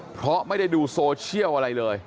เพราะไม่ได้ดูโซเชียลอะไรเลย